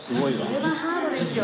これはハードですよ